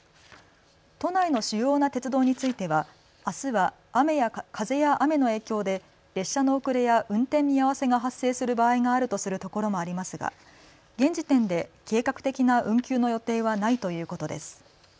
都内の主要な鉄道についてはあすは風や雨の影響で列車の遅れや運転見合わせが発生する場合があるとするところもありますが、現時点で計画的な運休の予定はないということです。